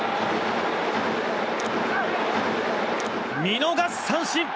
見逃し三振！